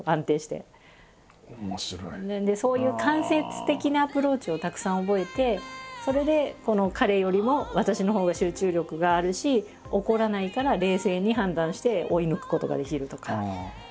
そういう間接的なアプローチをたくさん覚えてそれで彼よりも私のほうが集中力があるし怒らないから冷静に判断して追い抜くことができるとか。